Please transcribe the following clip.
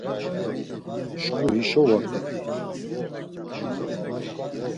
Şǩu hişo vort̆iti?